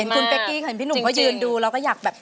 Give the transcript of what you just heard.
คุณเป๊กกี้เห็นพี่หนุ่มก็ยืนดูเราก็อยากแบบ